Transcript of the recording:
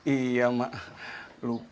iya mak lupa